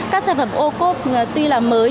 các sản phẩm ô khúc tuy là mới